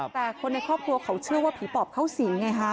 แต่คนในครอบครัวเขาเชื่อว่าผีปอบเข้าสิงไงฮะ